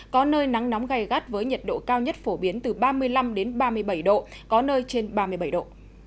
có nơi nắng nóng gai gắt với nhiệt độ cao nhất phổ biến từ ba mươi năm ba mươi bảy độ có nơi trên ba mươi bảy độ